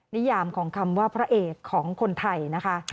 นิยามของคำว่าพระเอกของคนไทยนะคะ